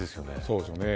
そうですよね。